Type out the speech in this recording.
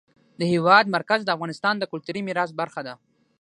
د هېواد مرکز د افغانستان د کلتوري میراث برخه ده.